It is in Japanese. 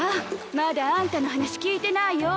まだあんたの話聞いてないよ。